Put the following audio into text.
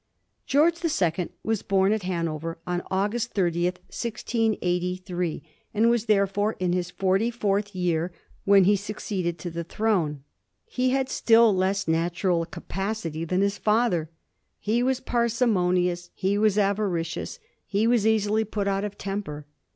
George the Second was bom at Hanover on October 30, 1683, and was therefore in his forty fourth year when he succeeded to the throne. He had still less natural capacity than his father. He was parsimonious ; he was avaricious ; he was easily put out of temper.